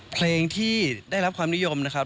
เพลงที่ได้รับความนิยมนะครับ